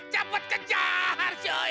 cepet kejar coy